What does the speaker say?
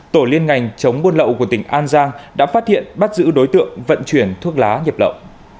tổ liên ngành chống buôn lậu của tỉnh an giang đã phát hiện bắt giữ đối tượng vận chuyển thuốc lá nhập lậu